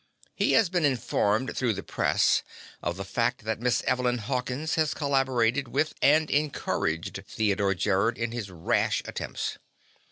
He has been informed through the press of the fact that Miss Evelyn Hawkins has collaborated with and encouraged Theodore Gerrod in his rash attempts.